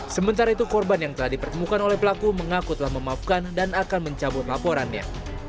sementara itu korban yang telah dipertemukan oleh pelaku mengaku telah memaafkan dan akan mencabut laporannya